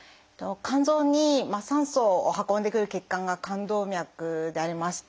肝臓に酸素を運んでくる血管が肝動脈でありまして。